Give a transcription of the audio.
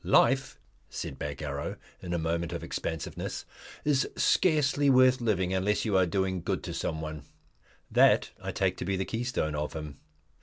"Life," said Bagarrow, in a moment of expansiveness, "is scarcely worth living unless you are doing good to someone." That I take to be the keystone of him.